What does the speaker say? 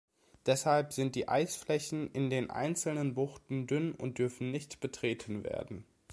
Deshalb sind die Eisflächen in den einzelnen Buchten dünn und dürfen nicht betreten werden.